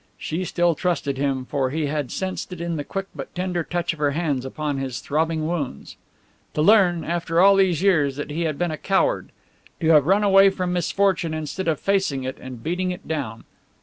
She still trusted him, for he had sensed it in the quick but tender touch of her hands upon his throbbing wounds. To learn, after all these years, that he had been a coward! To have run away from misfortune instead of facing it and beating it down!